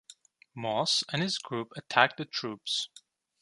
Moss and his group attacked the troops.